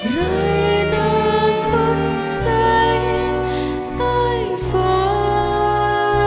ไร้หน้าสนใสใต้ฝ้าเรือ